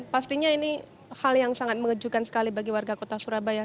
pastinya ini hal yang sangat mengejukan sekali bagi warga kota surabaya